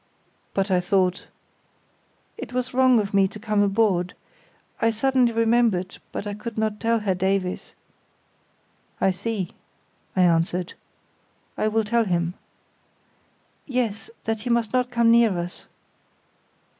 "But I thought——" "It was wrong of me to come aboard—I suddenly remembered; but I could not tell Herr Davies." "I see," I answered. "I will tell him." "Yes, that he must not come near us."